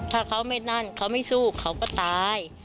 ถ้าเขาไม่นั่นเขาไม่สู้เขาก็ตาย